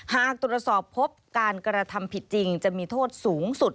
หากตรวจสอบพบการกระทำผิดจริงจะมีโทษสูงสุด